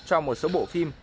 cho một số bộ phim